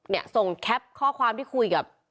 เนี่ยส่งแคปข้อความที่คุยกับ